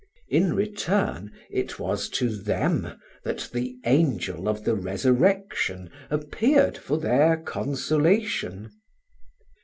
In return, it was to them that the angel of the resurrection appeared for their consolation.